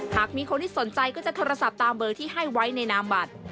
หากมีคนที่สนใจก็จะโทรศัพท์ตามเบอร์ที่ให้ไว้ในนามบัตร